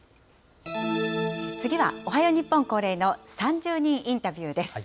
次は、おはよう日本恒例の３０人インタビューです。